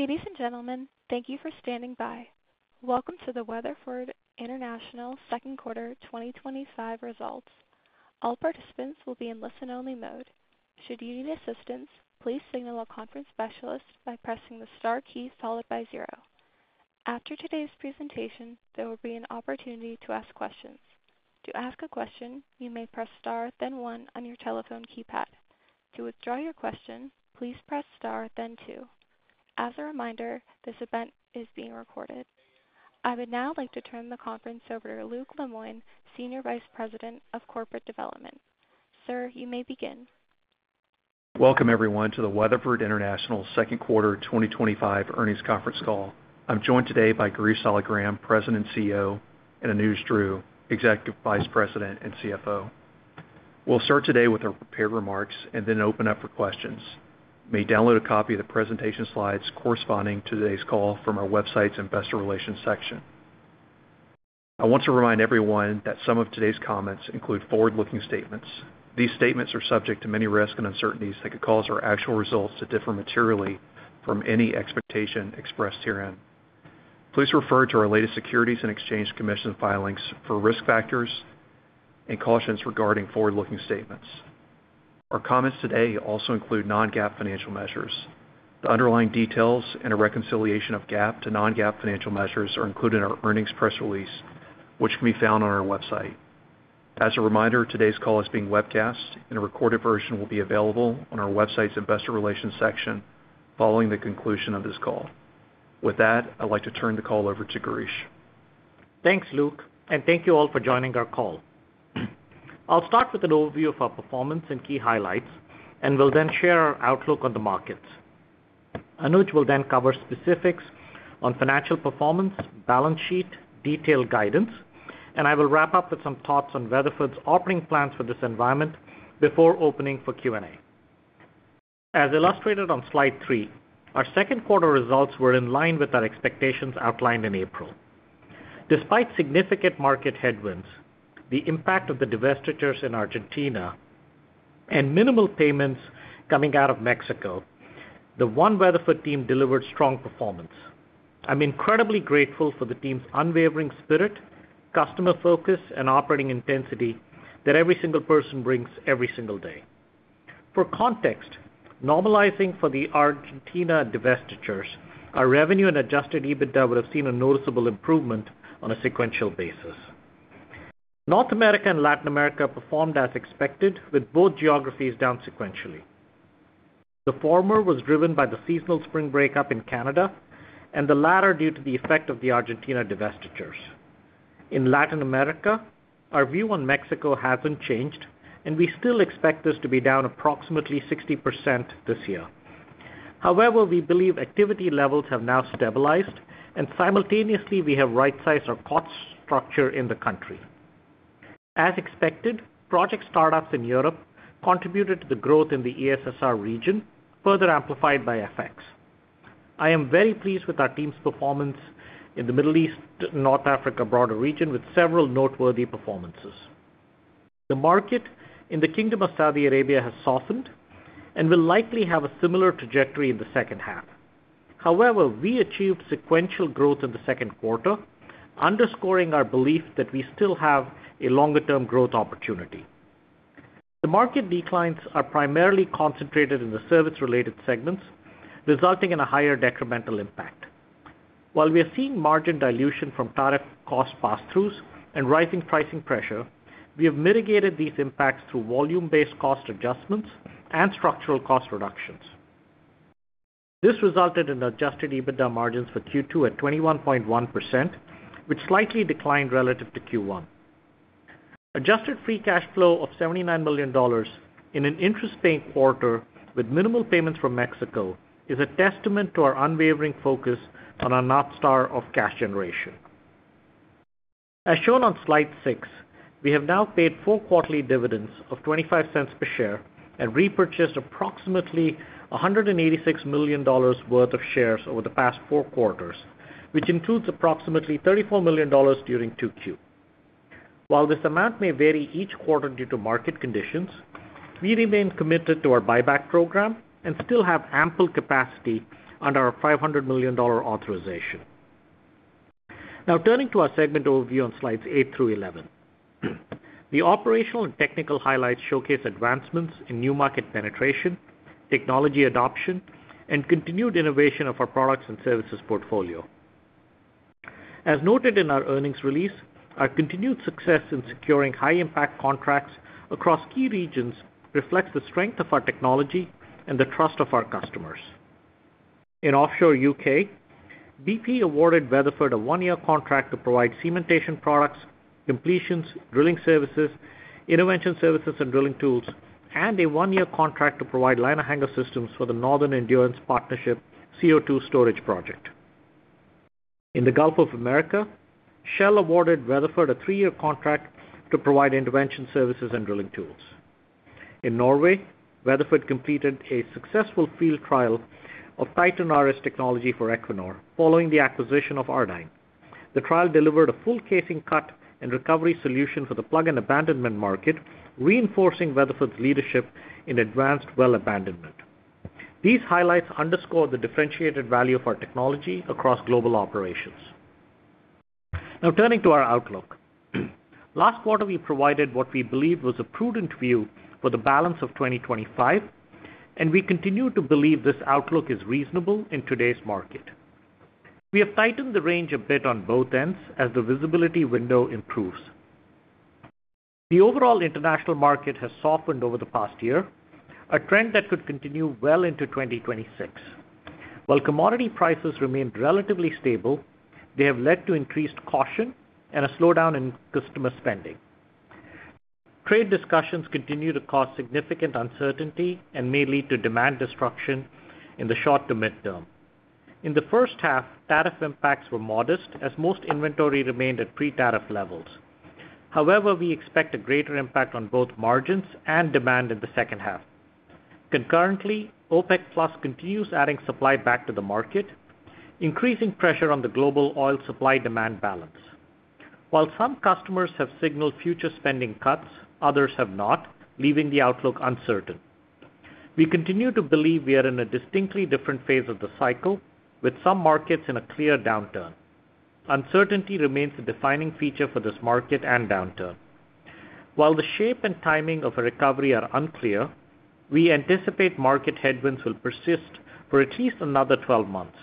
Ladies and gentlemen, thank you for standing by. Welcome to the Weatherford International Second Quarter 2025 results. All participants will be in listen-only mode. Should you need assistance, please signal a conference specialist by pressing the star key followed by zero. After today's presentation, there will be an opportunity to ask questions. To ask a question, you may press star then one on your telephone keypad. To withdraw your question, please press star then two. As a reminder, this event is being recorded. I would now like to turn the conference over to Luke Lemoine, Senior Vice President of Corporate Development. Sir, you may begin. Welcome everyone to the Weatherford International Second Quarter 2025 Earnings Conference Call. I'm joined today by Girish Saligram, President, CEO, and Anuj Dhruv, Executive Vice President and CFO. We'll start today with our prepared remarks and then open up for questions. You may download a copy of the presentation slides corresponding to today's call from our website's Investor Relations section. I want to remind everyone that some of today's comments include forward-looking statements. These statements are subject to many risks and uncertainties that could cause our actual results to differ materially from any expectation expressed herein. Please refer to our latest Securities and Exchange Commission filings for risk factors and cautions regarding forward-looking statements. Our comments today also include non-GAAP financial measures. The underlying details and a Reconciliation of GAAP to non-GAAP Financial Measures are included in our earnings press release which can be found on our website. As a reminder, today's call is being webcast and a recorded version will be available on our website's Investor Relations section following the conclusion of this call. With that, I'd like to turn the call over to Girish. Thanks Luke and thank you all for joining our call. I'll start with an overview of our performance and key highlights and we'll then share our outlook on the markets. Anuj will then cover specifics on financial performance, balance sheet, detailed guidance, and I will wrap up with some thoughts on Weatherford's operating plans for this environment before opening for Q&A. As illustrated on Slide 3, our second quarter results were in line with our expectations outlined in April. Despite significant market headwinds, the impact of the divestitures in Argentina, and minimal payments coming out of Mexico, the one Weatherford team delivered strong performance. I'm incredibly grateful for the team's unwavering spirit, customer focus, and operating intensity that every single person brings every single day. For context, normalizing for the Argentina divestitures, our revenue and Adjusted EBITDA would have seen a noticeable improvement on a sequential basis. North America and Latin America performed as expected with both geographies down sequentially. The former was driven by the seasonal Spring Breakup in Canada and the latter due to the effect of the Argentina divestitures in Latin America. Our view on Mexico hasn't changed and we still expect this to be down approximately 60% this year. However, we believe activity levels have now stabilized and simultaneously we have rightsized our cost structure in the country. As expected, project startups in Europe contributed to the growth in the ESSR region. Further amplified by FX. I am very pleased with our team's performance in the Middle East North Africa broader region with several noteworthy performances. The market in the Kingdom of Saudi Arabia has softened and will likely have a similar trajectory in the second half. However, we achieved sequential growth in the second quarter, underscoring our belief that we still have a longer term growth opportunity. The market declines are primarily concentrated in the service related segments, resulting in a higher decremental impact. While we are seeing margin dilution from tariff cost pass throughs and rising pricing pressure, we have mitigated these impacts through volume based cost adjustments and structural cost reductions. This resulted in Adjusted EBITDA margins for Q2 at 21.1%, which slightly declined relative to Q1. Adjusted Free Cash Flow of $79 million in an interest paying quarter with minimal payments from Mexico is a testament to our unwavering focus on our North Star of cash generation. As shown on Slide 6, we have now paid four quarterly dividends of $0.25 per share and repurchased approximately $186 million worth of shares over the past four quarters, which includes approximately $34 million during Q2. While this amount may vary each quarter due to market conditions, we remain committed to our buyback program and still have ample capacity under our $500 million authorization. Now turning to our segment overview on Slides 8 through 11, the operational and technical highlights showcase advancements in new market penetration, technology adoption, and continued innovation of our products and services portfolio. As noted in our earnings release, our continued success in securing high impact contracts across key regions reflects the strength of our technology and the trust of our customers. In offshore UK, BP awarded Weatherford International a one year contract to provide cementation products, completions, drilling services, intervention services, and drilling tools, and a one year contract to provide Liner Hanger Systems for the Northern Endurance Partnership CO₂ storage project in the Gulf of America. Shell awarded Weatherford International a three year contract to provide intervention services and drilling tools in Norway. Weatherford International completed a successful field trial of Titan RS Technology for Equinor following the acquisition of Ardyne. The trial delivered a full casing cut and recovery solution for the plug and abandonment market, reinforcing Weatherford International's leadership in advanced well abandonment. These highlights underscore the differentiated value of our technology across global operations. Now turning to our outlook, last quarter we provided what we believe was a prudent view for the balance of 2025, and we continue to believe this outlook is reasonable. In today's market, we have tightened the range a bit on both ends as the visibility window improves. The overall international market has softened over the past year, a trend that could. Continue well into 2026. While commodity prices remained relatively stable, they have led to increased caution and a slowdown in customer spending. Trade discussions continue to cause significant uncertainty and may lead to demand destruction in the short to midterm. In the first half, tariff impacts were modest as most inventory remained at pre-tariff levels. However, we expect a greater impact on both margins and demand in the second half. Concurrently, OPEC continues adding supply back to the market, increasing pressure on the global oil supply-demand balance. While some customers have signaled future spending cuts, others have not, leaving the outlook uncertain. We continue to believe we are in a distinctly different phase of the cycle, with some markets in a clear downturn. Uncertainty remains the defining feature for this market and downturn. While the shape and timing of a recovery are unclear, we anticipate market headwinds will persist for at least another 12 months.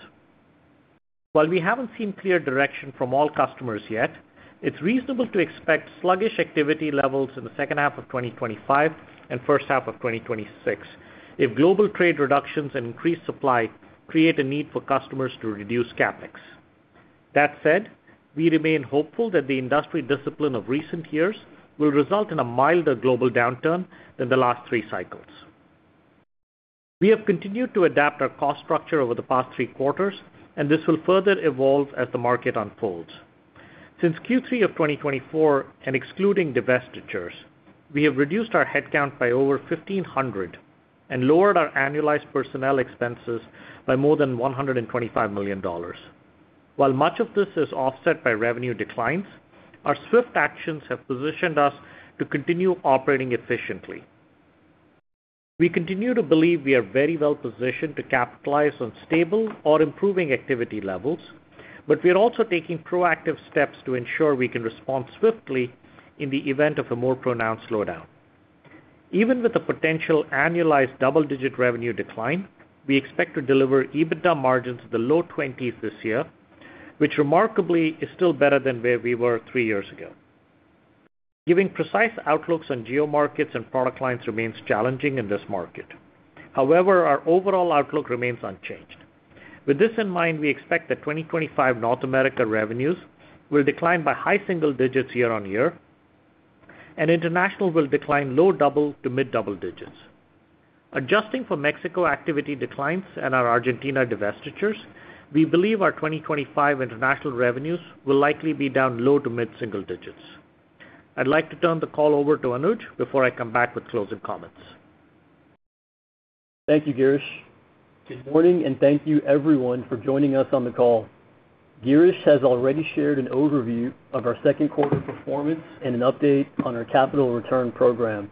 While we haven't seen clear direction from all customers yet, it's reasonable to expect sluggish activity levels in the second half of 2025 and first half of 2026 if global trade reductions and increased supply create a need for customers to reduce CapEx. That said, we remain hopeful that the industry discipline of recent years will result in a milder global downturn than the last three cycles. We have continued to adapt our cost structure over the past three quarters and this will further evolve as the market unfolds. Since Q3 of 2024 and excluding divestitures, we have reduced our headcount by over 1,500 and lowered our annualized personnel expenses by more than $125 million. While much of this is offset by revenue declines, our swift actions have positioned us to continue operating efficiently. We continue to believe we are very well positioned to capitalize on stable or improving activity levels, but we are also taking proactive steps to ensure we can respond swiftly in the event of a more pronounced slowdown. Even with a potential annualized double-digit revenue decline, we expect to deliver EBITDA margins in the low 20% range this year, which remarkably is still better than where we were three years ago. Giving precise outlooks on geo markets and product lines remains challenging in this market, however, our overall outlook remains unchanged. With this in mind, we expect that 2025 North America revenues will decline by high single digits year on year and international will decline low double to mid double digits. Adjusting for Mexico activity declines and our Argentina divestitures, we believe our 2025 international revenues will likely be down low. To mid-single digits. I'd like to turn the call over to Anuj Dhruv before I come back with closing comments. Thank you, Girish. Good morning, and thank you, everyone, for joining us on the call. Girish has already shared an overview of our second quarter performance and an update on our capital return program.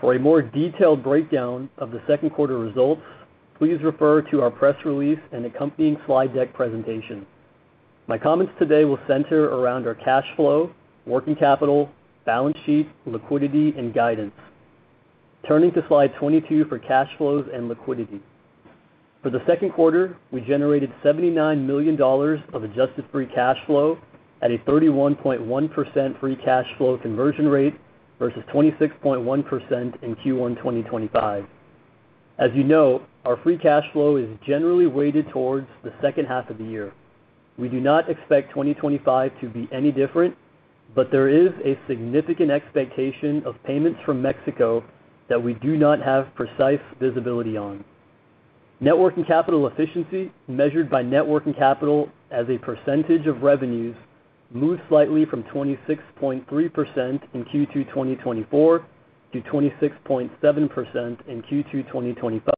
For a more detailed breakdown of the second quarter results, please refer to our press release and accompanying slide deck presentation. My comments today will center around our cash flow, working capital, balance sheet, liquidity, and guidance. Turning to Slide 22 for cash flows and liquidity for the second quarter, we generated $79 million of Adjusted Free Cash Flow at a 31.1% Free Cash Flow Conversion rate versus 26.1% in Q1 2025. As you know, our free cash flow is generally weighted towards the second half of the year. We do not expect 2025 to be any different, but there is a significant expectation of payments from Mexico that we do not have precise visibility on. Network and capital efficiency, measured by Net Working Capital as a percentage of revenues, moved slightly from 26.3% in Q2 2024 to 26.7% in Q2 2025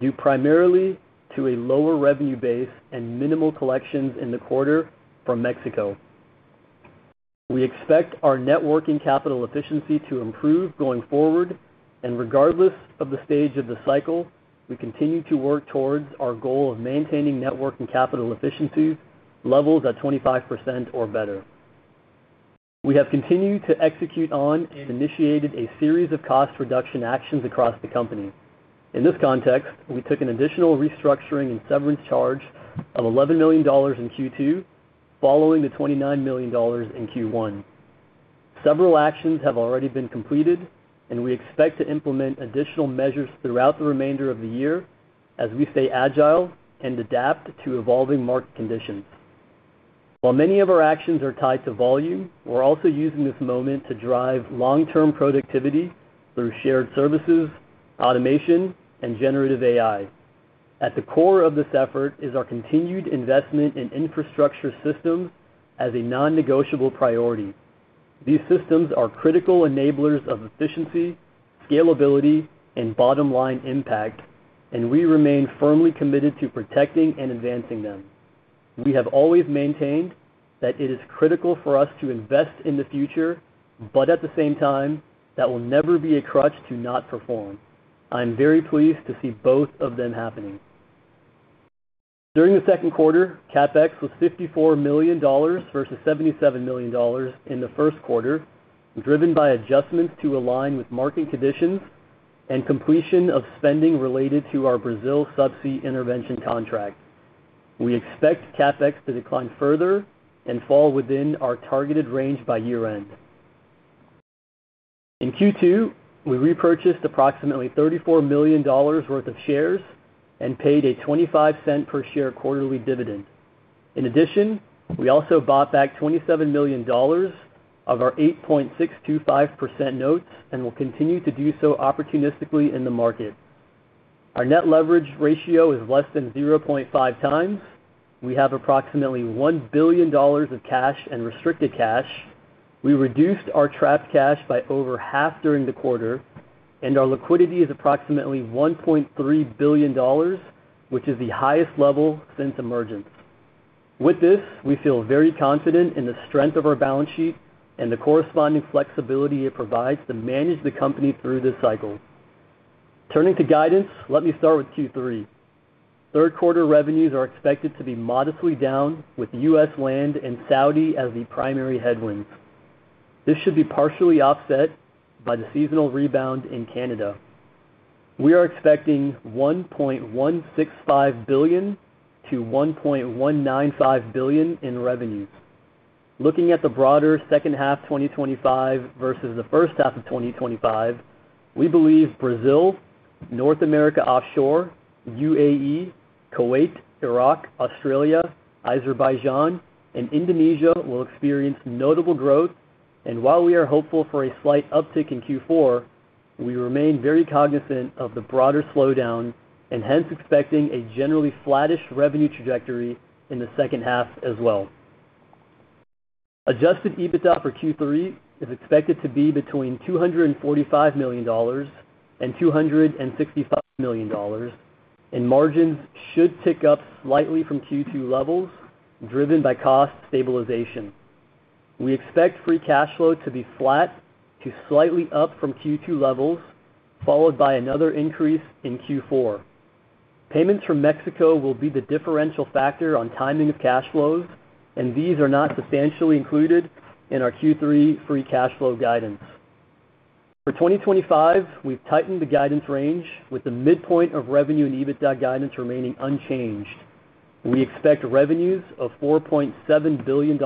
due primarily to a lower revenue base and minimal collections in the quarter from Mexico. We expect our Net Working Capital efficiency to improve going forward, and regardless of the stage of the cycle, we continue to work towards our goal of maintaining Net Working Capital efficiency levels at 25% or better. We have continued to execute on and initiated a series of cost reduction actions across the company. In this context, we took an additional restructuring and severance charge of $11 million in Q2 following the $29 million in Q1. Several actions have already been completed, and we expect to implement additional measures throughout the remainder of the year as we stay agile and adapt to evolving market conditions. While many of our actions are tied to volume, we're also using this moment to drive long-term productivity through shared services, automation, and generative AI. At the core of this effort is our continued investment in infrastructure systems as a non-negotiable priority. These systems are critical enablers of efficiency, scalability, and bottom-line impact, and we remain firmly committed to protecting and advancing them. We have always maintained that it is critical for us to invest in the future, but at the same time, that will never be a crutch to not perform. I am very pleased to see both of them happening. During the second quarter, CapEx was $54 million versus $77 million in the first quarter. Driven by adjustments to align with market conditions and completion of spending related to our Brazil Subsea intervention contract, we expect CapEx to decline further and fall within our targeted range by year end. In Q2 we repurchased approximately $34 million worth of shares and paid a $0.25 per share quarterly dividend. In addition, we also bought back $27 million of our 8.625% notes and will continue to do so opportunistically in the market. Our net leverage ratio is less than 0.5 times, we have approximately $1 billion of cash and restricted cash. We reduced our trapped cash by over half during the quarter and our liquidity is approximately $1.3 billion, which is the highest level since emergence. With this we feel very confident in the strength of our balance sheet and the corresponding flexibility it provides to manage the company through this cycle. Turning to guidance, let me start with Q3. Third quarter revenues are expected to be modestly down, with U.S. land and Saudi as the primary headwinds. This should be partially offset by the seasonal rebound in Canada. We are expecting $1.165 billion to $1.195 billion in revenues. Looking at the broader second half 2025 versus the first half of 2025, we believe Brazil, North America, offshore UAE, Kuwait, Iraq, Australia, Azerbaijan, and Indonesia will experience notable growth and while we are hopeful for a slight uptick in Q4, we remain very cognizant of the broader slowdown and hence expecting a generally flattish revenue trajectory in the second half as well. Adjusted EBITDA for Q3 is expected to be between $245 million and $265 million and margins should tick up slightly from Q2 levels driven by cost stabilization. We expect free cash flow to be flat to slightly up from Q2 levels, followed by another increase in Q4. Payments from Mexico will be the differential factor on timing of cash flows and these are not substantially included in our Q3 free cash flow guidance. For 2025, we've tightened the guidance range with the midpoint of revenue and EBITDA guidance remaining unchanged. We expect revenues of $4.7 billion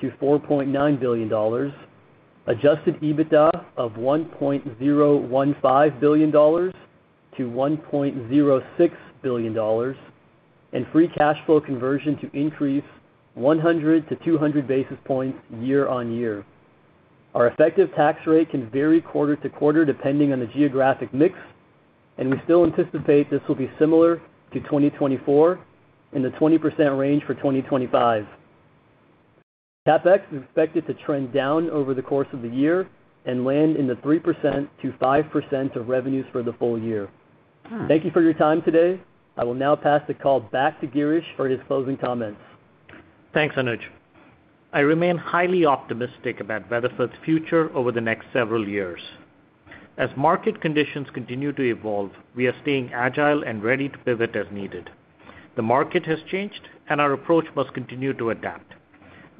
to $4.9 billion, Adjusted EBITDA of $1.015 billion to $1.06 billion and Free Cash Flow Conversion to increase 100 to 200 basis points year on year. Our effective tax rate can vary quarter to quarter depending on the geographic mix and we still anticipate this will be similar to 2024 in the 20% range for 2025. CapEx is expected to trend down over the course of the year and land in the 3% to 5% of revenues for the full year. Thank you for your time today. I will now pass the call back to Girish for his closing comments. Thanks Anuj. I remain highly optimistic about Weatherford International's future over the next several years. As market conditions continue to evolve, we are staying agile and ready to pivot as needed. The market has changed, and our approach must continue to adapt.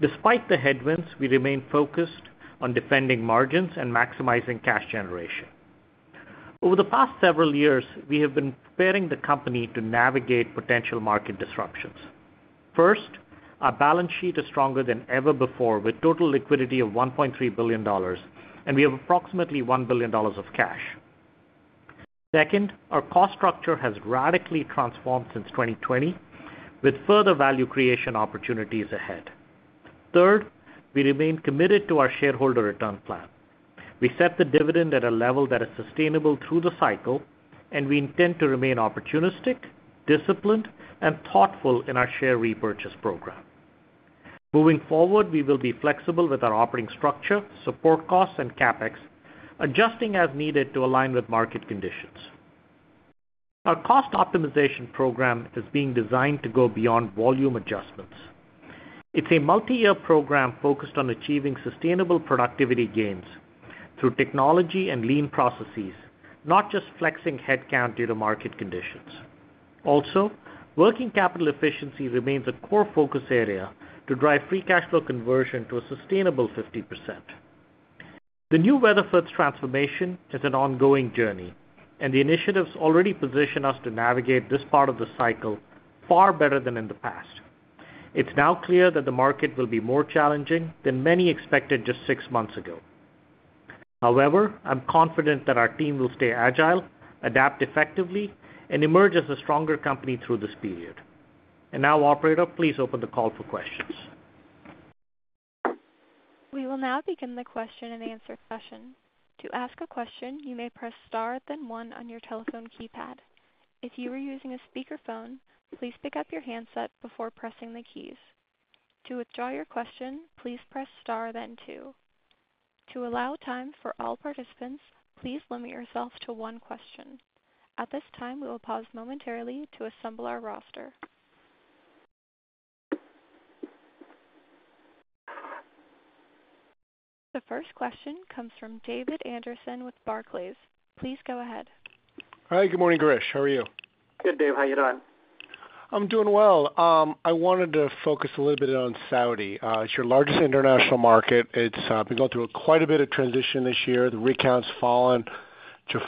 Despite the headwinds, we remain focused on defending margins and maximizing cash generation. Over the past several years, we have been preparing the company to navigate potential market disruptions. First, our balance sheet is stronger than ever before with total liquidity of $1.3 billion, and we have approximately $1 billion of cash. Second, our cost structure has radically transformed since 2020 with further value creation opportunities ahead. Third, we remain committed to our shareholder return plan. We set the dividend at a level that is sustainable through the cycle, and we intend to remain opportunistic, disciplined, and thoughtful in our share repurchase program. Moving forward, we will be flexible with our operating structure, support costs, and CapEx, adjusting as needed to align with market conditions. Our cost optimization program is being designed. To go beyond volume adjustments. It's a multi-year program focused on achieving sustainable productivity gains through technology and lean processes, not just flexing headcount due to market conditions. Also, working capital efficiency remains a core focus area to drive Free Cash Flow Conversion to a sustainable 50%. The new Weatherford International transformation is an ongoing journey, and the initiatives already position us to navigate this part of the cycle far better than in the past. It's now clear that the market will be more challenging than many expected just six months ago. However, I'm confident that our team will stay agile, adapt effectively, and emerge as a stronger company through this period. Now, Operator, please open the call for questions. We will now begin the question and answer session. To ask a question, you may press Star then one on your telephone keypad. If you are using a speakerphone, please pick up your handset before pressing the keys. To withdraw your question, please press Star then two. To allow time for all participants, please limit yourself to one question at this time. We will pause momentarily to assemble our roster. The first question comes from David Anderson with Barclays. Please go ahead. Hi, good morning, Girish. How are you? Good, Dave. How are you doing? I'm doing well. I wanted to focus a little bit on Saudi. It's your largest international market. It's been going through quite a bit of transition this year. The rig count's fallen,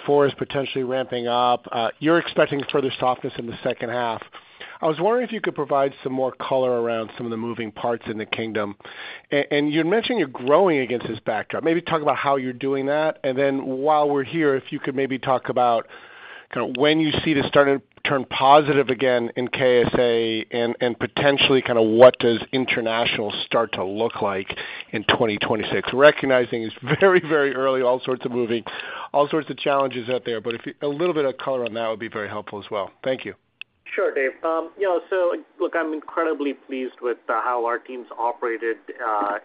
potentially ramping up. You're expecting further softness in the second half. I was wondering if you could provide some more color around some of the. Moving parts in the Kingdom of Saudi Arabia? You mentioned you're growing against this backdrop. Maybe talk about how you're doing that. While we're here, if you could maybe talk about when you see this starting to turn positive again in the Kingdom of Saudi Arabia and potentially what does international start. To look like in 2026, recognizing it's very, very early, all sorts of moving. All sorts of challenges out there? A little color on that would be very helpful as well. Thank you. Sure, Dave. I'm incredibly pleased with how our teams operated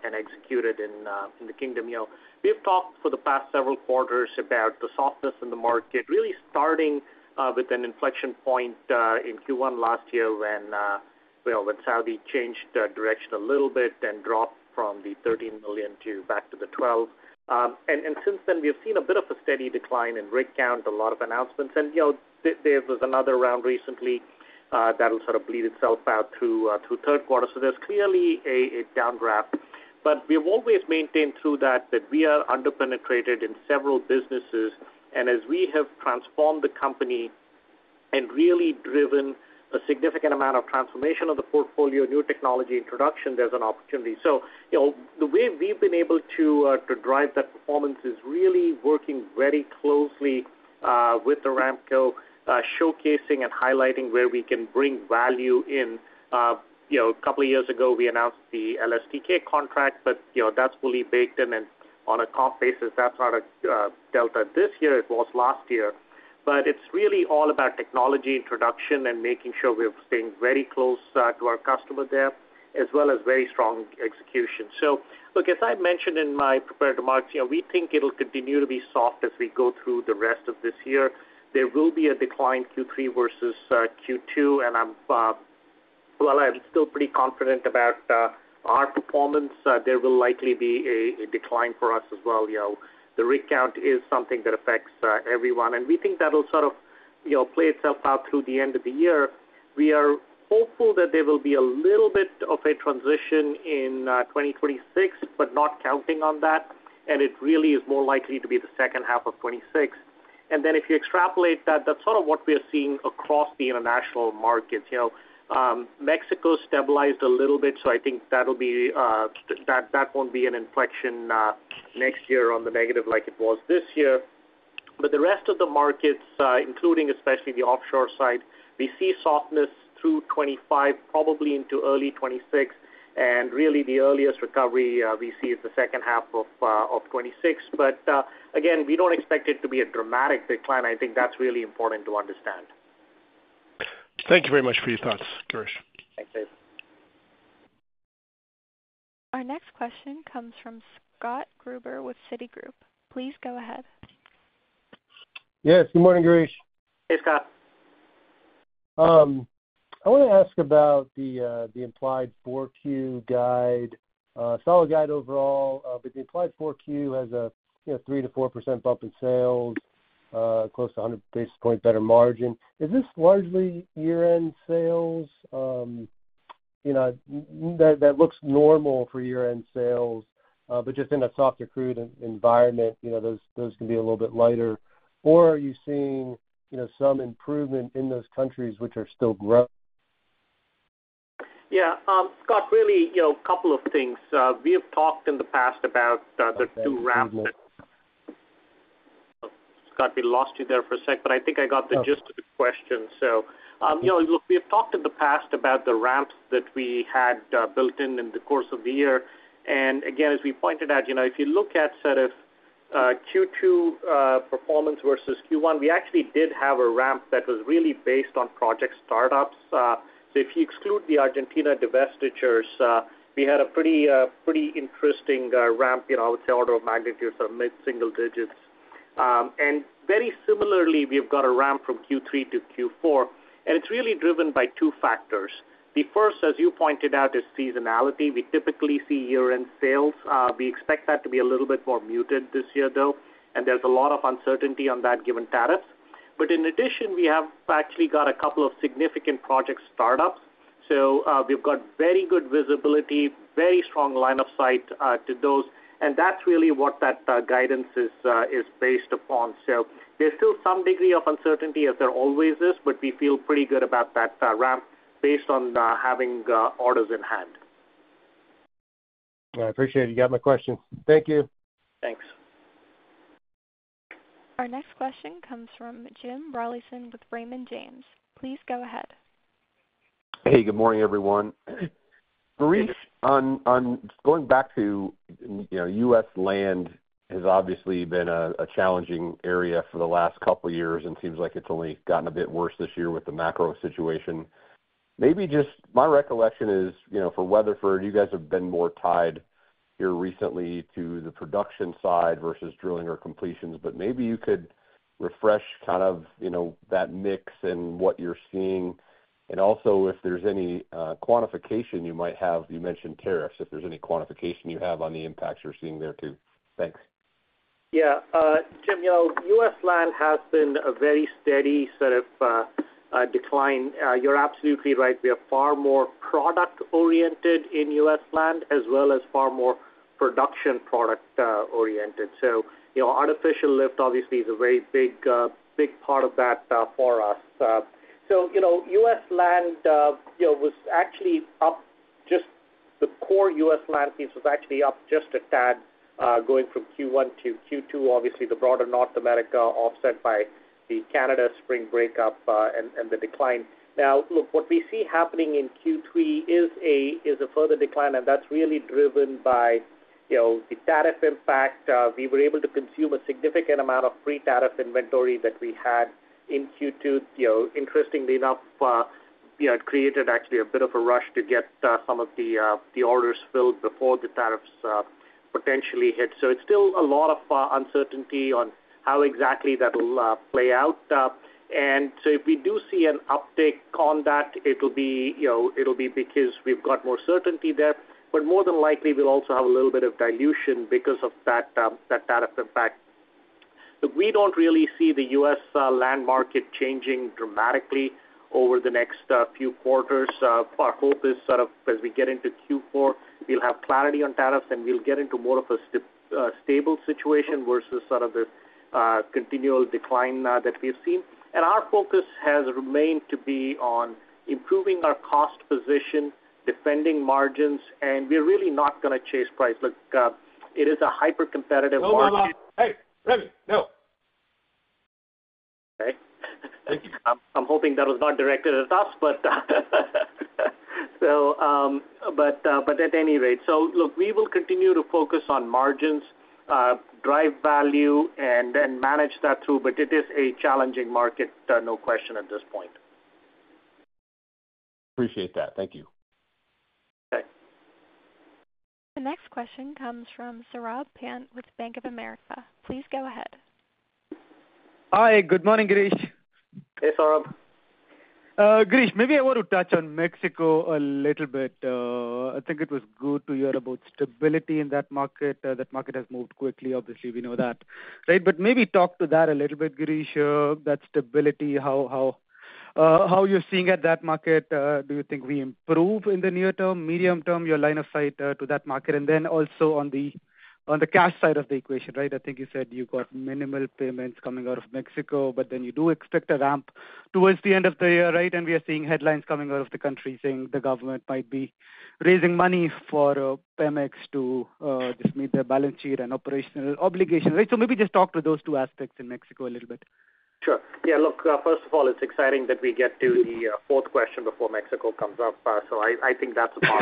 and executed in the Kingdom. We have talked for the past several quarters about the softness in the market, really starting with an inflection point in Q1 last year when Saudi changed direction a little bit and dropped from the 13 million to back to the 12. Since then we have seen a bit of a steady decline in rig count. There have been a lot of announcements and there was another round recently that will sort of bleed itself out through third quarter. There is clearly a downdraft. We have always maintained through that that we are underpenetrated in several businesses and as we have transformed the company and really driven a significant amount of transformation of the portfolio, new technology introduction, there's an opportunity. The way we've been able to drive that performance is really working very closely with Aramco, showcasing and highlighting where we can bring value in. A couple of years ago we announced the LSTK contract, but that's fully baked in and on a comp basis. That's not a delta this year, it was last year. It's really all about technology introduction and making sure we've stayed very close to our customer there as well as very strong execution. As I mentioned in my prepared remarks, we think it will continue to be soft as we go through the rest of this year. There will be a decline, Q3 versus Q2. I'm still pretty confident about our performance. There will likely be a decline for us as well. The rig count is something that affects everyone and we think that will sort of play itself out through the end of the year. We are hopeful that there will be a little bit of a transition in 2026, but not counting on that. It really is more likely to be 2H26. If you extrapolate that, that's sort of what we are seeing across the international markets. Mexico stabilized a little bit, so I think that will be, that won't be an inflection next year on the negative like it was this year. The rest of the markets, including especially the offshore side, we see softness through 2025 probably into early 2026 and really the earliest recovery we see is 2H26. Again we don't expect it to be a dramatic decline. I think that's really important to understand. Thank you very much for your thoughts, Girish. Thanks, Dave. Our next question comes from Scott Gruber with Citigroup Inc. Please go ahead. Yes, good morning, Girish. Hey Scott. I want to ask about. The implied 4Q guide. Solid guide overall, but the implied 4Q has a 3 to 4% bump in sales, close to 100 basis points. Better margin, is this largely year end sales? That looks normal for year end sales. Just in a softer crude environment. Those can be a little bit lighter, or are you seeing some improvement in? Those countries which are still growing? Yeah, Scott, really a couple of things. We have talked in the past about the two ramp. Scott, we lost you there for a sec, but I think I got the gist of the question. We have talked in the past about the ramps that we had built in in the course of the year. As we pointed out, if you look at sort of Q2 performance versus Q1, we actually did have a ramp that was really based on project startups. If you exclude the Argentina divestitures, we had a pretty interesting ramp, I would say order of magnitude, sort of mid single digits. Very similarly, we have got a ramp from Q3 to Q4 and it's really driven by two factors. The first, as you pointed out, is seasonality. We typically see year end sales. We expect that to be a little bit more muted this year though, and there's a lot of uncertainty on that given tariffs. In addition, we have actually got a couple of significant project startups. We've got very good visibility, very strong line of sight to those, and that's really what that guidance is based upon. There's still some degree of uncertainty, as there always is. We feel pretty good about that ramp based on having orders in hand. I appreciate it. You got my question. Thank you. Thanks. Our next question comes from Jim Rollyson with Raymond James. Please go ahead. Hey, good morning everyone. Girish, on going back to U.S. Land, has obviously been a challenging area for. The last couple years, and seems like it's only gotten a bit worse this. Year with the macro situation. Maybe just my recollection is for Weatherford International, you guys have been more tied here. Recently to the production side versus drilling or completions, maybe you could refresh. Kind of that mix and what you're seeing. If there's any quantification you have, you mentioned tariffs. If there's any quantification you have on the impacts you're seeing there too? Yeah, Jim, U.S. Land has been a very steady sort of decline. You're absolutely right. We are far more product oriented in U.S. Land as well as far more production product oriented. Artificial lift obviously is a very big, big part of that for us. U.S. Land was actually up, just the core U.S. Land piece was actually up just a tad going from Q1 to Q2. The broader North America was offset by the Canada Spring Breakup and the decline. What we see happening in Q3 is a further decline and that's really driven by the tariff impact. We were able to consume a significant amount of pre-tariff inventory that we had in Q2. Interestingly enough, it created actually a bit of a rush to get some of the orders filled before the tariffs potentially hit. There's still a lot of uncertainty on how exactly that will play out. If we do see an uptick on that, it'll be because we've got more certainty there. More than likely we'll also have a little bit of dilution because of that tariff impact. We don't really see the U.S. land market changing dramatically over the next few quarters. Our hope is as we get into Q4, we'll have clarity on tariffs and we'll get into more of a stable situation versus the continual decline that we've seen. Our focus has remained to be on improving our cost position, defending margins, and we're really not going to chase price. It is a hyper competitive market. Hey, Ravi? No. Thank you. I'm hoping that was not directed at us, but at any rate, we will continue to focus on margins, drive value, and manage that through, but it is an extremely challenging market, no question at this point. Appreciate that. Thank you. The next question comes from Saurabh Pant with Bank of America. Please go ahead. Hi, good morning. Girish. Hey Saurabh. Girish, maybe I want to touch on Mexico a little bit. I think it was good to hear about stability in that market. That market has moved quickly, obviously, we know that. Maybe talk to that a little bit. Girish, that stability, how you're seeing at that market, do you think we improve in the near term, medium term, your line of sight to that market? Also on the cash side of the equation, I think you said you got minimal payments coming out of Mexico, but then you do expect a ramp towards the end of the year. We are seeing headlines coming out of the country saying the government might be raising money for Pemex to just meet their balance sheet and operational obligations. Maybe just talk to those two aspects in Mexico a little bit. Sure, yeah. First of all, it's exciting that we get to the fourth question before Mexico comes up. I think that's about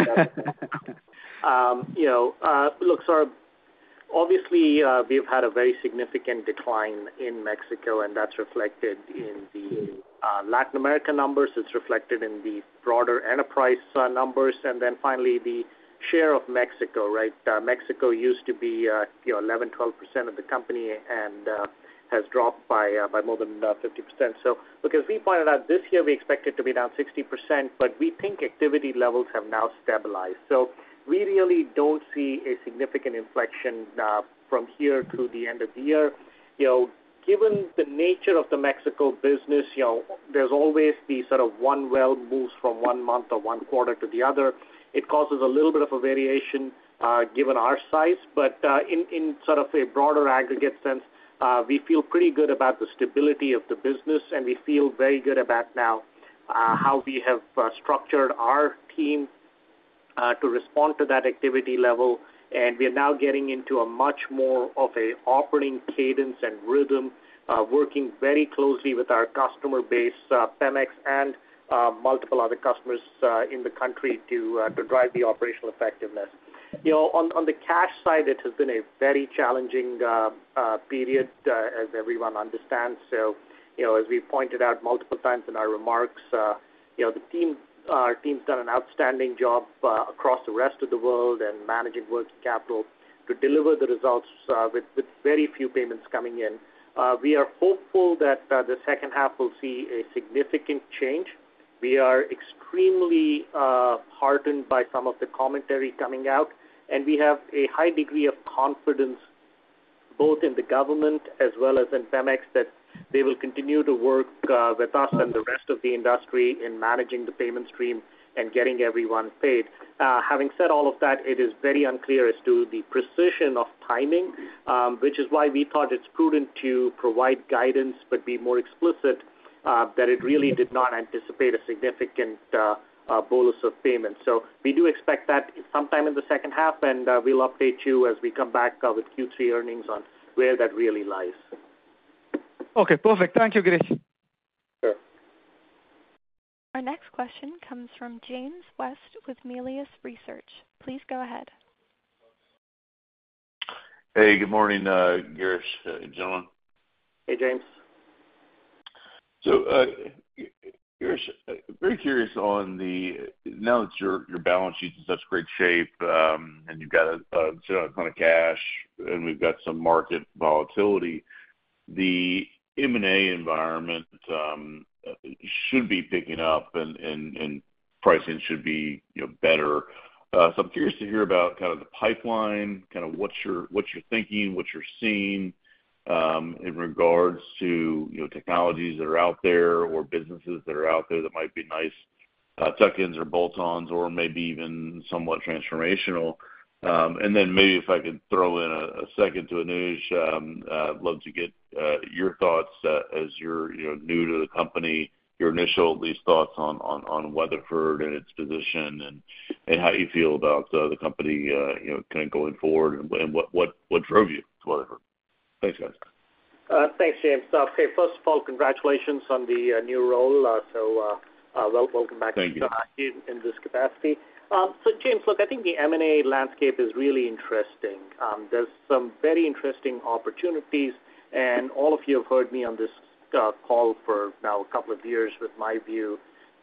it. Saurabh, obviously we've had a very significant decline in Mexico and that's reflected in the Latin America numbers. It's reflected in the broader enterprise numbers and then finally the share of Mexico. Mexico used to be 11, 12% of the company and has dropped by more than 50%. We pointed out this year we expect it to be down 60%, but we think activity levels have now stabilized. We really don't see a significant inflection from here through the end of the year. Given the nature of the Mexico business, there's always the sort of one, well moves from one month or one quarter to the other. It causes a little bit of a variation given our size, but in a broader aggregate sense, we feel pretty good about the stability of the business and we feel very good about now how we have structured our team to respond to that activity level. We are now getting into much more of an operating cadence and rhythm, working very closely with our customer base, Pemex and multiple other customers in the country to drive the operational effectiveness. On the cash side, it has been a very challenging period, as everyone understands. As we pointed out multiple times in our remarks, our team's done an outstanding job across the rest of the world and managing working capital to deliver the results. With very few payments coming in, we are hopeful that the second half will see a significant change. We are extremely heartened by some of the commentary coming out, and we have a high degree of confidence both in the government as well as in Pemex that they will continue to work with us and the rest of the industry in managing the payment stream and getting everyone paid. Having said all of that, it is very unclear as to the precision of timing, which is why we thought it's prudent to provide guidance, but be more explicit that it really did not anticipate a significant bolus of payments. We do expect that sometime in the second half, and we'll update you as we come back with Q3 earnings on where that really lies. Okay, perfect. Thank you, Girish. Our next question comes from James West with Melius Research. Please go ahead. Hey, good morning, Girish. Gentlemen. Hey, James. Girish, very curious on the now that your balance sheet is in such great shape and you've got a ton of cash and we've got some market volatility, the M&A environment should be picking up and pricing should be better. I'm curious to hear about kind. Of the pipeline, what you're. Thinking what you're seeing in regards to technologies that are out there or businesses that are out there that might be nice tuck ins or bolt ons or maybe even somewhat transformational. Maybe if I could throw. In a second to Anuj, I'd love. To get your thoughts as you're new to the company, your initial thoughts on Weatherford International and its position and how you feel about the company going. Forward and what drove you to Weatherford? Thanks, guys. Thanks, James. First of all, congratulations on the new role. Welcome back in this capacity. James, look, I think the M&A landscape is really interesting. There are some very interesting opportunities and all of you have heard me on this call for now a couple of years with my view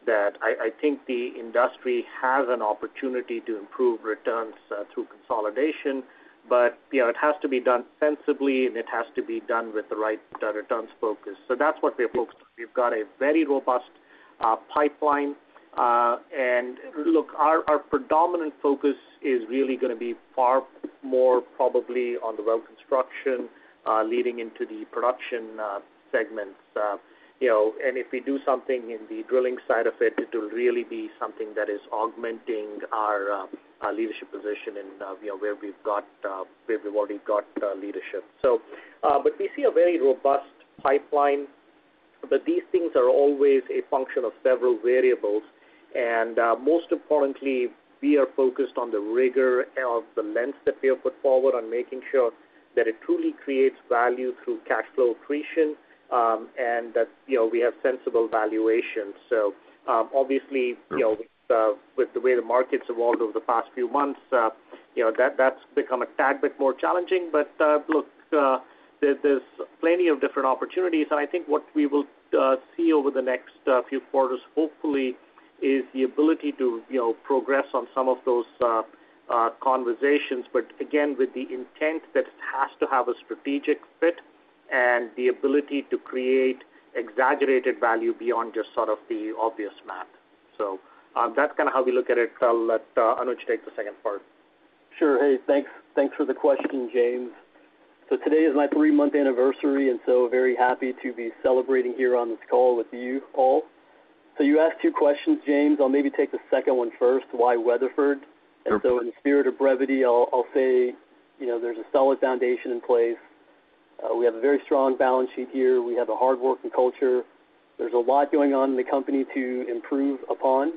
that I think the industry has an opportunity to improve returns through consolidation, but it has to be done sensibly and it has to be done with the right returns focus. That's what we're focused on. We've got a very robust pipeline and our predominant focus is really going to be far more probably on the well construction leading into the production segments. If we do something in the drilling side of it, it will really be something that is augmenting our leadership position and where we've already got leadership, but we see a very robust pipeline. These things are always a function of several variables and most importantly, we are focused on the rigor of the lens that we have put forward, on making sure that it truly creates value through cash flow accretion and that we have sensible valuation. Obviously, with the way the market's evolved over the past few months, that's become a tad bit more challenging. There are plenty of different opportunities and I think what we will see over the next few quarters hopefully is the ability to progress on some of those conversations. Again, with the intent that it has to have a strategic fit and the ability to create exaggerated value beyond just sort of the obvious math. That's kind of how we look at it. I'll let Anuj take the second part. Sure. Hey, thanks for the question, James. Today is my three month anniversary and I'm very happy to be celebrating here on this call with you all. You asked two questions, James. I'll maybe take the second one first, why Weatherford? In the spirit of brevity, I'll say there's a solid foundation in place. We have a very strong balance sheet here. We have a hard working culture. There's a lot going on in the company to improve upon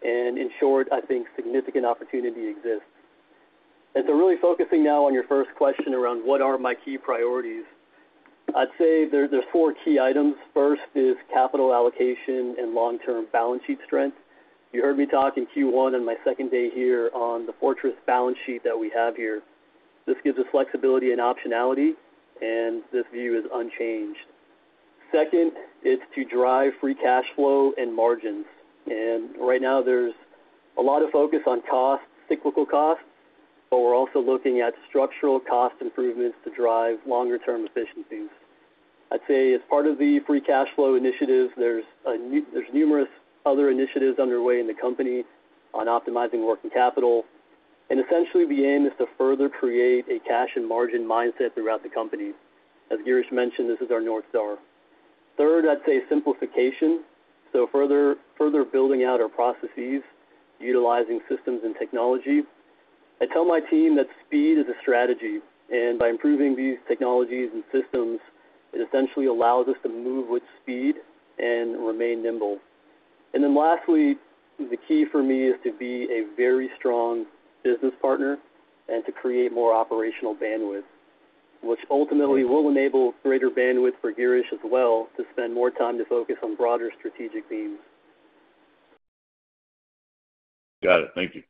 and in short, I think significant opportunities. Really focusing now on your first question around what are my key priorities, I'd say there's four key items. First is capital allocation and long term balance sheet strength. You heard me talk in Q1 on my second day here on the fortress balance sheet that we have here. This gives us flexibility and optionality and this view is unchanged. Second, it's to drive free cash flow and margins. Right now there's a lot of focus on cost, cyclical costs, but we're also looking at structural cost improvements to drive longer term efficiencies, I'd say as part of the free cash flow initiatives. There's numerous other initiatives underway in the company on optimizing working capital and essentially the aim is to further create a cash and margin mindset throughout the company. As Girish mentioned, this is our north star. Third, I'd say simplification. Further building out our processes, utilizing systems and technology. I tell my team that speed is a strategy and by improving these technologies and systems it essentially allows us to move with speed and remain nimble. Lastly, the key for me is to be a very strong business partner and to create more opportunities, operational bandwidth which ultimately will enable greater bandwidth for Girish as well to spend more time to focus on broader strategic themes. Got it. Thank you.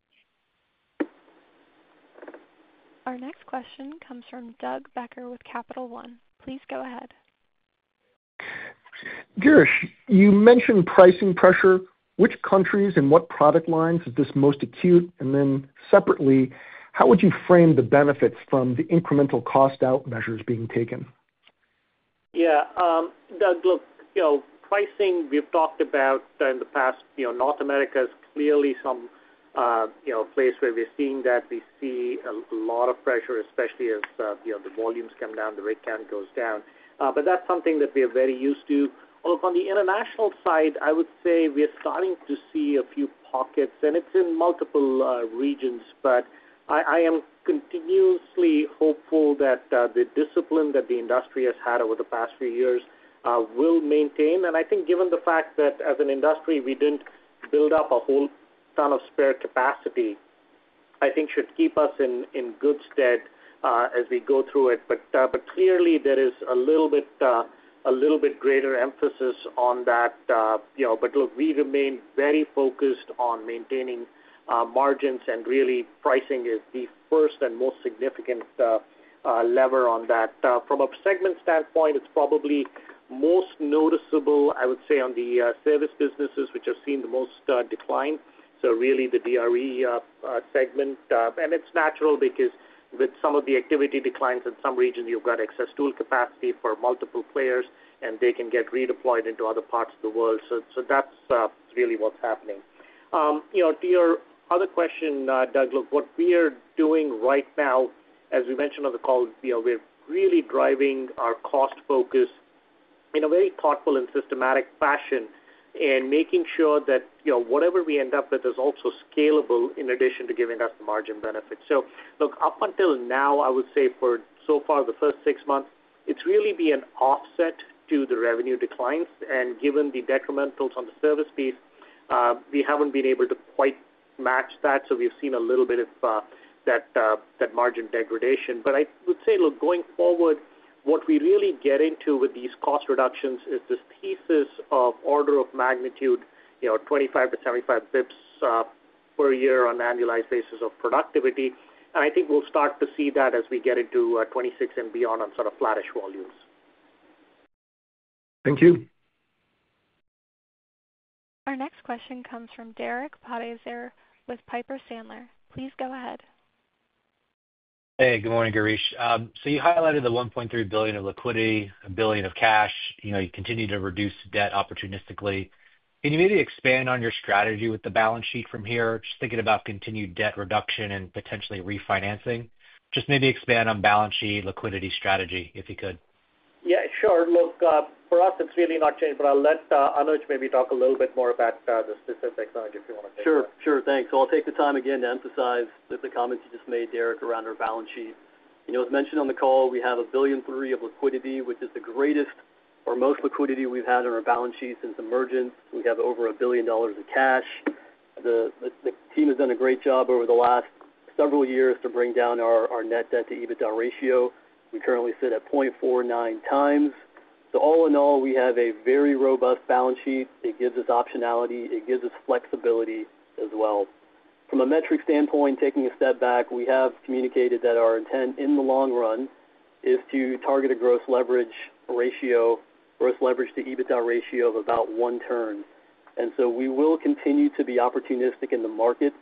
Our next question comes from Doug Becker with Capital One. Please go ahead. Girish, you mentioned pricing pressure. Which countries and what product lines is this most acute? How would you frame. The benefits from the incremental cost-out measures being taken? Yeah, Doug, look, pricing we've talked about in the past, North America is clearly some place where we're seeing that. We see a lot of pressure, especially as the volumes come down, the rig count goes down. That's something that we are very used to. On the international side, I would say we are starting to see a few pockets, and it's in multiple regions. I am continuously hopeful that the discipline that the industry has had over the past few years will maintain. I think given the fact that as an industry, we didn't build up a whole ton of spare capacity, it should keep us in good stead as we go through it. There is a little bit greater emphasis on that. We remain very focused on maintaining margins, and really pricing is the first and most significant lever on that. From a segment standpoint, it's probably most noticeable, I would say, on the service businesses which have seen the most decline, so really the DRE segment. It's natural because with some of the activity declines in some regions, you've got excess tool capacity for multiple players, and they can get redeployed into other parts of the world. That's really what's happening. To your other question, Doug, what we are doing right now, as we mentioned on the call, we're really driving our cost focus in a very thoughtful and systematic fashion and making sure that whatever we end up with is also scalable, in addition to giving us the margin benefit. Up until now, I would say for so far, the first six months, it's really been offset to the revenue declines. Given the detrimentals on the service piece, we haven't been able to quite match that, so we've seen a little bit of that margin degradation. I would say, going forward, what we really get into with these cost reductions is this thesis of order of magnitude 25-75 bps per year on an annualized basis of productivity. I think we'll start to see that as we get into 2026 and beyond on sort of flattish volumes. Thank you. Our next question comes from Derek Podhaizer with Piper Sandler. Please go ahead. Hey, good morning, Girish. You highlighted the $1.3 billion of liquidity, $1 billion of cash. You continue to reduce debt opportunistically. Can you maybe expand on your strategy with the balance sheet from here? Just thinking about continued debt reduction and potentially refinancing. Maybe expand on balance sheet liquidity strategy if you could? Yeah, sure. Look, for us, it's really not changed, but I'll let Anuj maybe talk a little bit more about the specifics. Anuj, if you want to take it. Sure, sure. Thanks. I'll take the time again to emphasize the comments you just made, Derek, around our balance sheet. As mentioned on the call, we have $1.3 billion of liquidity, which is the greatest or most liquidity we've had on our balance sheet since emergence. We have over $1 billion of cash. The team has done a great job over the last several years to bring down our net debt to EBITDA ratio. We currently sit at 0.49 times. All in all, we have a very robust balance sheet. It gives us optionality, it gives us flexibility as well from a metric standpoint. Taking a step back, we have communicated that our intent in the long run is to target a gross leverage to EBITDA ratio of about 1 turn. We will continue to be opportunistic in the market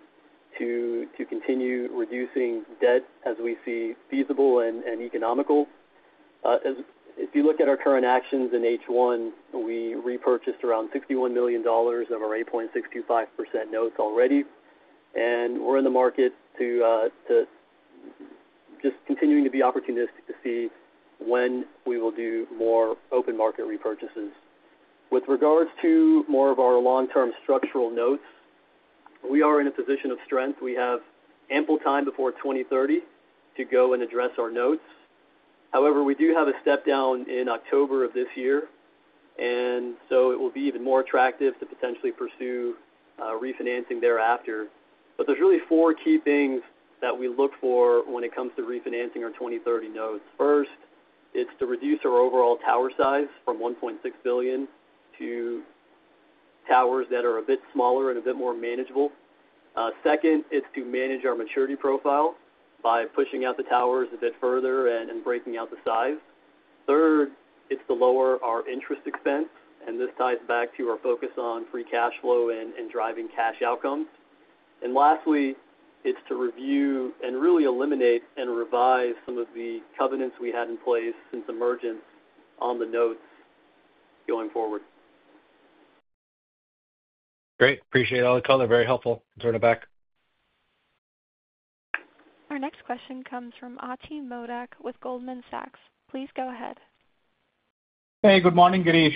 to continue reducing debt as we see feasible and economical. If you look at our current actions in H1, we repurchased around $61 million of our 8.625% notes already. We're in the market to. Just. Continuing to be opportunistic to see when we will do more open market repurchases. With regards to more of our long-term structural notes, we are in a position of strength. We have ample time before 2030 to go and address our notes. However, we do have a step down in October of this year, so it will be even more attractive to potentially pursue refinancing thereafter. There are really four key things that we look for when it comes to refinancing our 2030 notes. First, it's to reduce our overall tower size from $1.6 billion to towers that are a bit smaller and a bit more manageable. Second, it's to manage our maturity profile by pushing out the towers a bit further and breaking out the size. Third, it's to lower our interest expense. This ties back to our focus on free cash flow and driving cash outcomes. Lastly, it's to review and really eliminate and revise some of the covenants we had in place since emergence on the notes going forward. Great. Appreciate all the color. Very helpful. Turn it back. Our next question comes from Atidrip Modak with Goldman Sachs. Please go ahead. Hey, good morning, Girish.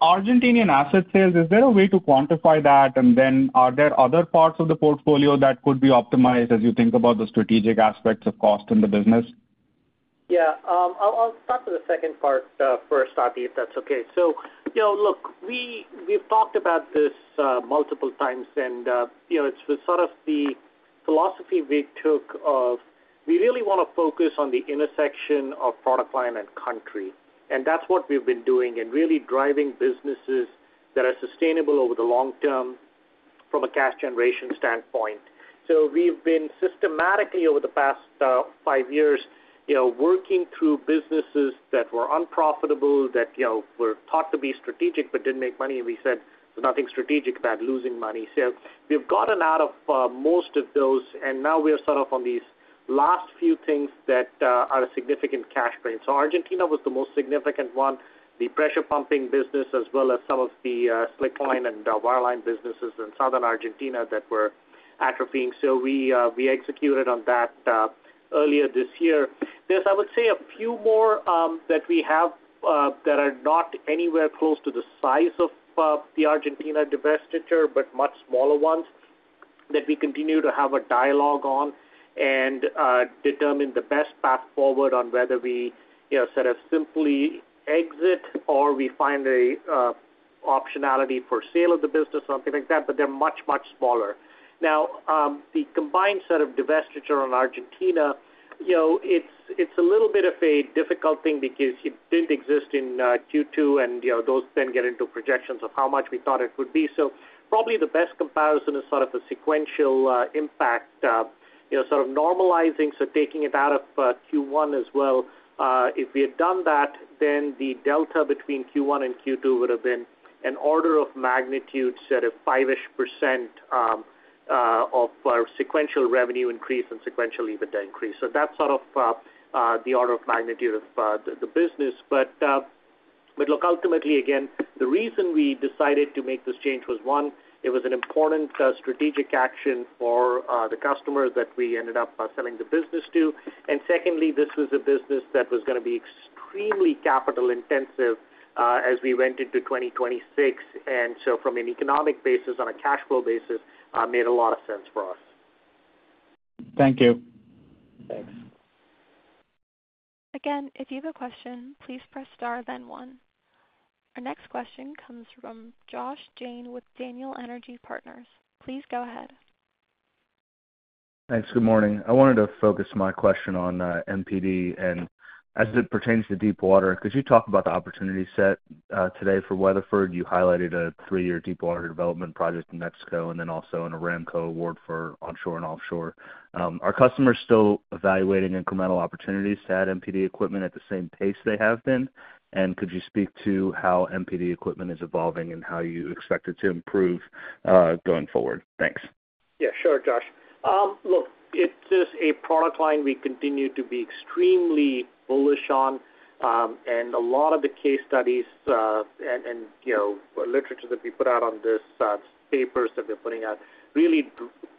Argentinian asset sales. Is there a way to quantify that? Are there other parts of the portfolio that could be optimized as you think about the strategic aspects of cost in the business? Yeah, I'll start with the second part first, Ati, if that's okay. We've talked about this multiple times and it's sort of the philosophy we took. We really want to focus on the intersection of product line and country, and that's what we've been doing, really driving businesses that are sustainable over the long term from a cash generation standpoint. We've been systematically over the past five years working through businesses that were unprofitable, that were thought to be strategic but didn't make money. We said there's nothing strategic about losing money. We've gotten out of most of those, and now we are on these last few things that are a significant cash drain. Argentina was the most significant one, the pressure pumping business, as well as some of the slick line and wireline businesses in southern Argentina that were atrophying. We executed on that earlier this year. I would say there are a few more that we have that are not anywhere close to the size of the Argentina divestiture, but much smaller ones that we continue to have a dialogue on and determine the best path forward on, whether we simply exit or we find the optionality for sale of the business, something like that. They're much, much smaller. The combined set of divestiture on Argentina, it's a little bit of a difficult thing because it didn't exist in Q2 and those then get into projections of how much we thought it would be. Probably the best comparison is a sequential impact, normalizing, so taking it out of Q1 as well. If we had done that, then the delta between Q1 and Q2 would have been an order of magnitude set of 5% of sequential revenue increase and sequential EBITDA increase. That's the order of magnitude of the business. Ultimately, again, the reason we decided to make this change was, one, it was an important strategic action for the customers that we ended up selling the business to. Secondly, this was a business that was going to be extremely capital intensive as we went into 2026. From an economic basis, on a cash flow basis, it made a lot of sense for us. Thank you. Thank you again. If you have a question, please press Star then one. Our next question comes from Joshua Jayne with Daniel Energy Partners. Please go ahead. Thanks. Good morning. I wanted to focus my question on MPD and as it pertains to deep water. Could you talk about the opportunity set today for Weatherford, you highlighted a three. Year deep water development project in Mexico and then also an Aramco award for onshore and offshore. Are customers still evaluating incremental opportunities to add MPD equipment at the same pace they have been? Could you speak to how MPD equipment is evolving and how you expect it to improve going forward? Thanks. Yeah, sure, Josh. Look, it is a product line we continue to be extremely bullish on. A lot of the case studies and literature that we put out on this, papers that they're putting out, really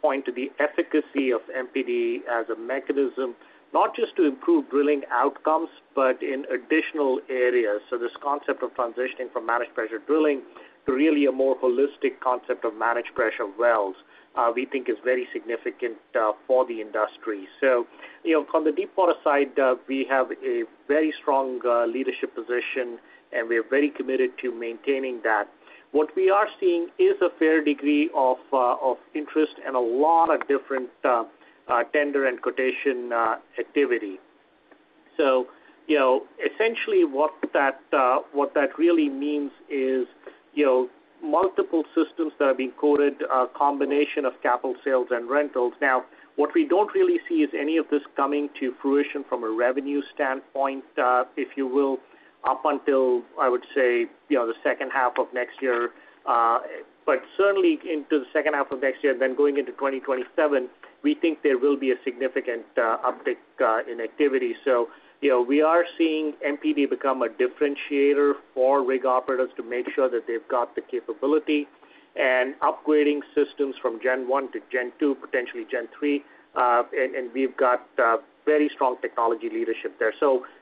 point to the efficacy of MPD as a mechanism not just to improve drilling outcomes, but in additional areas. This concept of transitioning from managed pressure drilling to really a more holistic concept of managed pressure wells we think is very significant for the industry. From the deepwater side, we have a very strong leadership position and we are very committed to maintaining that. What we are seeing is a fair degree of interest and a lot of different tender and quotation activity. Essentially what that really means is multiple systems that have been quoted, a combination of capital, sales, and rentals. Now what we don't really see is any of this coming to fruition from a revenue standpoint, if you will, up until, I would say, the second half of next year, but certainly into the second half of next year, then going into 2027, we think there will be a significant uptick in activity. We are seeing MPD become a differentiator for rig operators to make sure that they've got the capability and upgrading systems from Gen1 to Gen2, potentially Gen3. We've got very strong technology leadership there.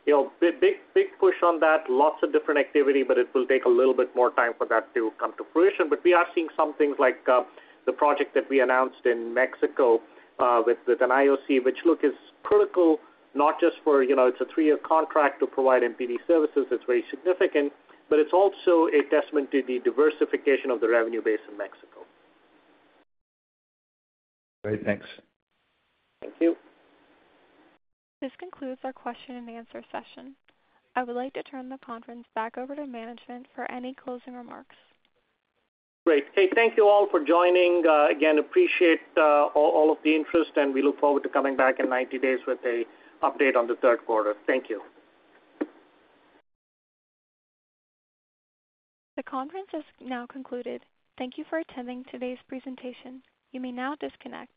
Big push on that, lots of different activity, but it will take a little bit more time for that to come to fruition. We are seeing some things like the project that we announced in Mexico with an IOC, which is critical not just for it's a three-year contract to provide MPD services. It's very significant, but it's also a test of the diversification of the revenue base in Mexico. Great, thanks. Thank you. This concludes our question and answer session. I would like to turn the conference back over to management for any closing remarks. Great. Hey, thank you all for joining again, appreciate all of the interest, and we look forward to coming back in 90 days with an update on the third quarter. Thank you. The conference has now concluded. Thank you for attending today's presentation. You may now disconnect.